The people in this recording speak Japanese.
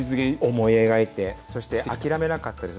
思い描いてそして、諦めなかったです。